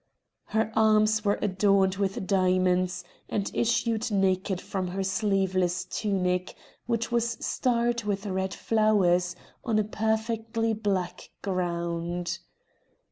Her arms were adorned with diamonds, and issued naked from her sleeveless tunic, which was starred with red flowers on a perfectly black ground.